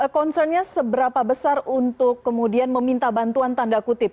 concernnya seberapa besar untuk kemudian meminta bantuan tanda kutip